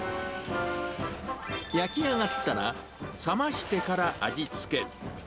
焼き上がったら、冷ましてから味付け。